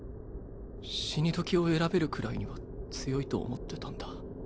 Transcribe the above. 死にどきを選べるくらいには強いと思ってたんだ。